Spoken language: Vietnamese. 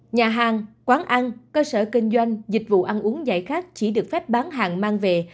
nhà hàng quán ăn cơ sở kinh doanh dịch vụ ăn uống giải khát chỉ được phép bán hàng mang về